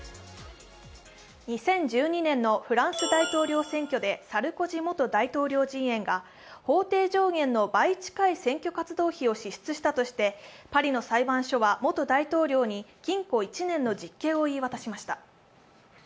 ２０１２年のフランス大統領選挙でサルコジ元大統領が法定上限の倍近い選挙活動費を支出したとしてパリの裁判所は元大統領に禁錮１年の実刑を言い渡しました。